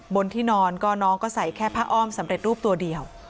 บนที่นอนก็น้องก็ใส่แค่ผ้าอ้อมสำเร็จรูปตัวเดียว